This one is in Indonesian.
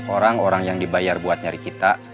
orang orang yang dibayar buat nyari kita